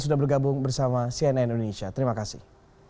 sudah bergabung bersama cnn indonesia terima kasih